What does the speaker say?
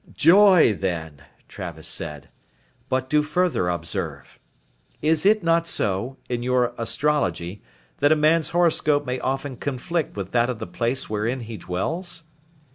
"Joy then," Travis said. "But do further observe. Is it not so, in your astrology, that a man's horoscope may often conflict with that of the place wherein he dwells?